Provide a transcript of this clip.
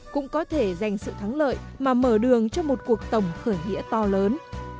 cũng có thể giành sự thắng lợi mà mở đường cho một cuộc tổng khởi nghĩa to lớn